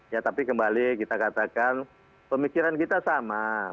ya tapi kembali kita katakan pemikiran kita sama